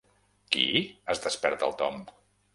Qui? —es desperta el Tom.